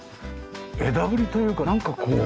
枝ぶりというかなんかこう。